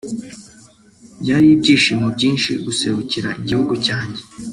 byari ibyishimo byinshi guserukira igihugu cyanjye